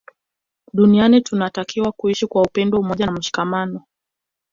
Duniani tunatakiwa kuishi kwa upendo umoja na mshikamano